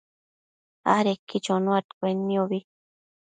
adequi chonuaccuenniobi